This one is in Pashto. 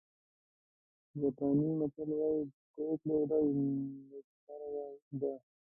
جاپاني متل وایي د پرېکړې ورځ نیکمرغه ده.